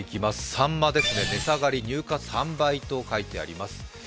さんま、値下がり入荷３倍と書いてあります。